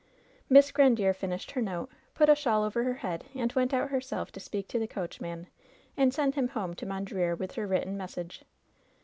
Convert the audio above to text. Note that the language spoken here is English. Miss Grandiere finished her note, put a shawl over her head and went out herself to speak to the coachman and send him home to Mondreer with her written message.